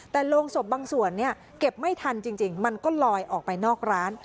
แต่โรงศพบางส่วนเนี่ยเก็บไม่ทันจริงมันก็ลอยออกไปนอกร้าน